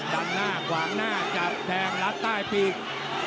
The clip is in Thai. หน้าขวางหน้าจับแทงรัดใต้ปีก